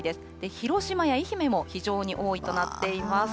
広島や愛媛も非常に多いとなっています。